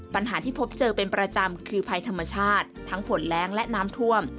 ปัญหาที่พบเจอเป็นประจำคือภัยธรรมชาติทั้งฝนแรงและน้ำท่วม